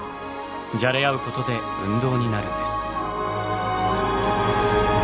じゃれ合うことで運動になるんです。